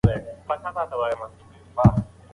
که تاسي ډېر وخت په انټرنيټ تېروئ سترګې مو خرابیږي.